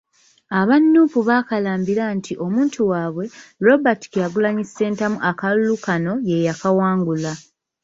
Aba Nuupu baakalambira nti omuntu waabwe, Robert Kyagulanyi Ssentamu akalulu kano ye yakawangula .